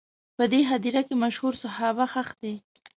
په دغه هدیره کې مشهور صحابه ښخ دي.